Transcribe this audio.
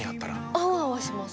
アワアワします